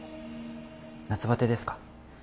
夏バテですか？